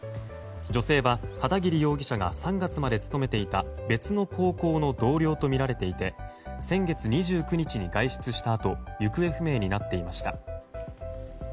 女性は、片桐容疑者が３月まで勤めていた別の高校の同僚とみられていて先月２９日に外出したあと行方不明になっていました。